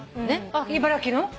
茨城の？